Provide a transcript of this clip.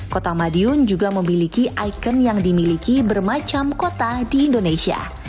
kota madiun juga memiliki ikon yang dimiliki bermacam kota di indonesia